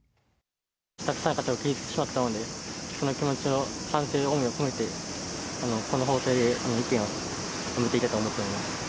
たくさんの方を傷つけてしまったので、その気持ちを反省の思いを込めて、この法廷で意見を述べたいと思います。